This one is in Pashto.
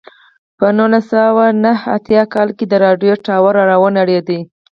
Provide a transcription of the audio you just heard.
په نولس سوه نهه اتیا کال کې د راډیو ټاور را ونړېد.